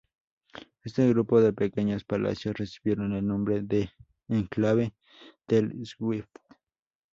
Este grupo de pequeños palacios recibieron el nombre de "Enclave del Swift".